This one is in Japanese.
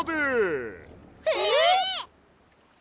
えっ！？